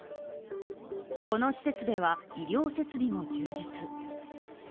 この施設では医療設備も充実。